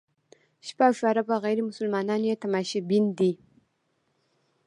شپږ اربه غیر مسلمان یې تماشبین دي.